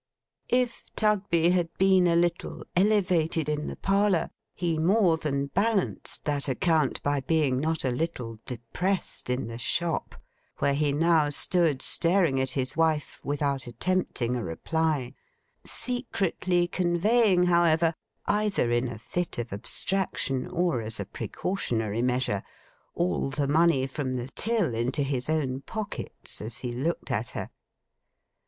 If Tugby had been a little elevated in the parlour, he more than balanced that account by being not a little depressed in the shop, where he now stood staring at his wife, without attempting a reply; secretly conveying, however—either in a fit of abstraction or as a precautionary measure—all the money from the till into his own pockets, as he looked at her.